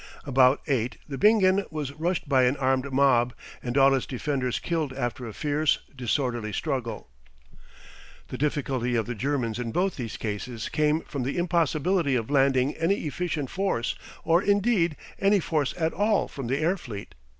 About eight the Bingen was rushed by an armed mob, and all its defenders killed after a fierce, disorderly struggle. The difficulty of the Germans in both these cases came from the impossibility of landing any efficient force or, indeed, any force at all from the air fleet.